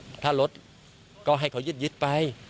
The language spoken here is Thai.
เอ้ยถ้าถ้ารถก็ให้เขายึดยึดไป